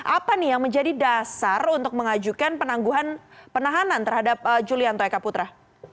apa nih yang menjadi dasar untuk mengajukan penangguhan penahanan terhadap julianto eka putra